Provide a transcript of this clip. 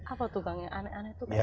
apa tuh bang yang aneh aneh tuh kayak apa